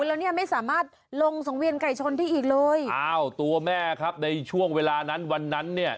แล้วเนี่ยไม่สามารถลงสังเวียนไก่ชนได้อีกเลยอ้าวตัวแม่ครับในช่วงเวลานั้นวันนั้นเนี่ย